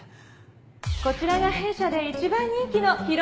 こちらが弊社で一番人気の披露